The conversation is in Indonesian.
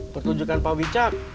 pertunjukkan pak wicak